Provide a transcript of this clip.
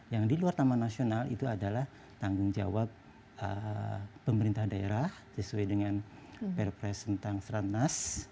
yang di luar taman nasional itu adalah tanggung jawab pemerintah daerah sesuai dengan perpres tentang serat nas